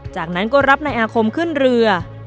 จากนั้นก็รับนายอาคมขึ้นเรือ